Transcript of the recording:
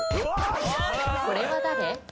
これは誰？